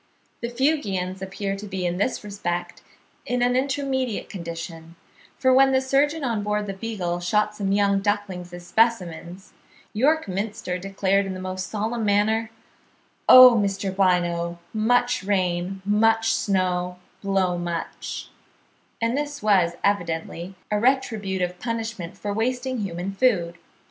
The Fuegians appear to be in this respect in an intermediate condition, for when the surgeon on board the "Beagle" shot some young ducklings as specimens, York Minster declared in the most solemn manner, "Oh, Mr. Bynoe, much rain, much snow, blow much"; and this was evidently a retributive punishment for wasting human food.